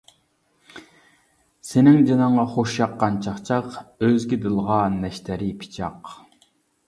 سېنىڭ جېنىڭغا خۇشياققان چاقچاق، ئۆزگە دىلىغا نەشتىرى پىچاق.